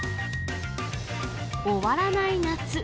終わらない夏。